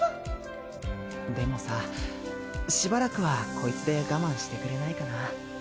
でもさしばらくはこいつで我慢してくれないかな。